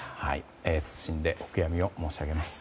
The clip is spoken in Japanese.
謹んでお悔やみを申し上げます。